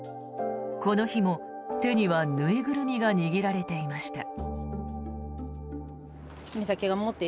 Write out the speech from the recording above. この日も手には縫いぐるみが握られていました。